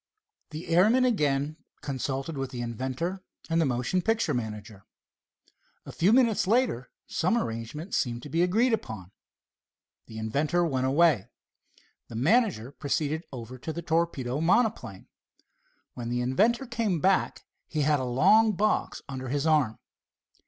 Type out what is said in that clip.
The airman again consulted with the inventor and the motion picture manager. A few minutes later some arrangement seemed to be agreed upon. The inventor went away. The manager proceeded over to the torpedo monoplane. When the inventor came back he had a long box under his arm.